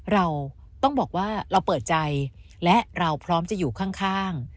เราต้องบอกว่าเราเปิดใจและเราพร้อมจะอยู่ข้าง